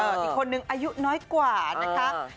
อีกคนนึงอายุน้อยกว่านะคะ